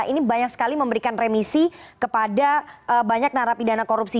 ini banyak sekali memberikan remisi kepada banyak narapidana korupsi